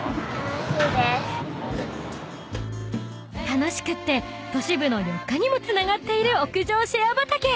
［楽しくって都市部の緑化にもつながっている屋上シェア畑］